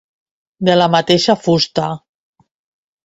De la mateixa fusta.